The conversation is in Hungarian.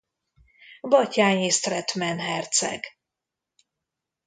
Batthyány-Strattman herceg.